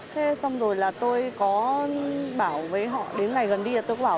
thế xong rồi là tôi có bảo với họ đến ngày gần đi là tôi có bảo